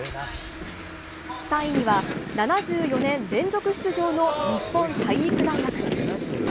３位には７４年連続出場の日本体育大学。